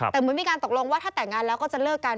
แต่เหมือนมีการตกลงว่าถ้าแต่งงานแล้วก็จะเลิกกัน